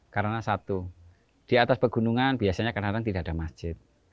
karena satu di atas pegunungan biasanya kadang kadang tidak ada masjid